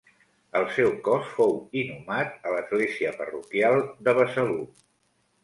El seu cos fou inhumat a l'església parroquial de Besalú.